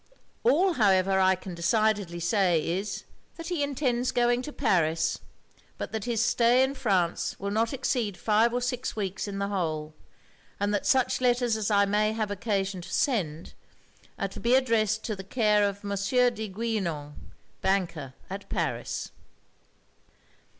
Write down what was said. All, however, I can decidedly say is, that he intends going to Paris, but that his stay in France will not exceed five or six weeks in the whole; and that such letters as I may have occasion to send, are to be addressed to the care of Monsieur de Guisnon, banker, at Paris.'